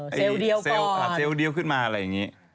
เซลล์เดียวเซลล์เซลล์เดียวขึ้นมาอะไรอย่างนี้